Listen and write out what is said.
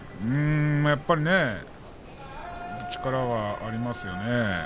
やっぱり力はありますよね。